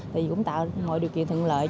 tại vì cũng tạo mọi điều kiện thượng lợi